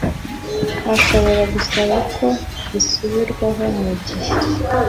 ashobora gusaba ko gisubirwaho mu gihe